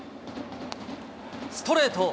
ストレート。